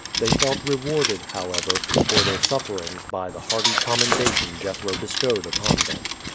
They felt rewarded, however, for their sufferings by the hearty commendation Jethro bestowed upon them.